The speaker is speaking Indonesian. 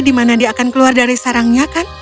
di mana dia akan keluar dari sarangnya kan